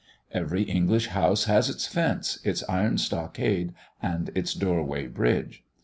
Every English house has its fence, its iron stockade and its doorway bridge.